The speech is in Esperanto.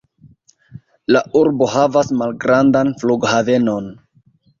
La urbo havas malgrandan flughavenon.